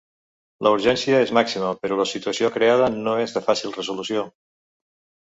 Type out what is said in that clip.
La urgència és màxima, però la situació creada no és de fàcil resolució.